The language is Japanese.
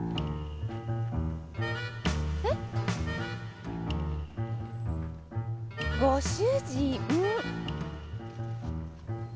えっ？ご主人。